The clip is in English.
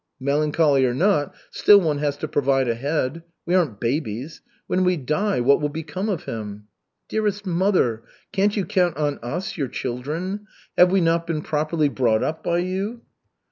"Melancholy or not, still one has to provide ahead. We aren't babies. When we die, what will become of him?" "Dearest mother! Can't you count on us, your children? Have we not been properly brought up by you?"